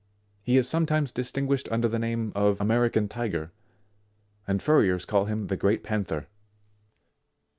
He is sometimes distinguished under the name of American Tiger, and furriers call him the Great Panther.